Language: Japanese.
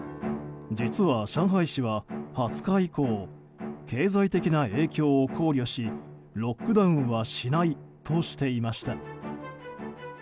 実は上海市は、２０日以降経済的な影響を考慮しロックダウンはしないとしていました。